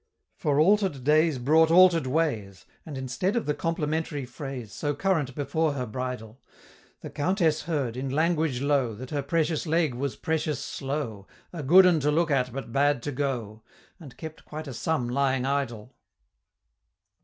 For alter'd days brought alter'd ways, And instead of the complimentary phrase, So current before her bridal The Countess heard, in language low, That her Precious Leg was precious slow, A good 'un to look at but bad to go, And kept quite a sum lying idle.